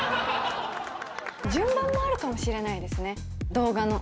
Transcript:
順番もあるかもしれないですね、動画の。